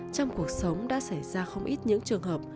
trong cuộc sống đã xảy ra không ít những trường hợp